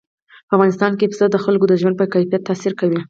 په افغانستان کې پسه د خلکو د ژوند په کیفیت تاثیر کوي.